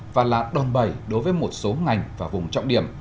và là đòn bẩy đối với một số ngành và vùng trọng điểm